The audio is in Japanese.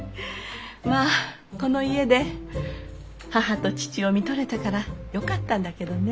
まあこの家で母と父をみとれたからよかったんだけどね。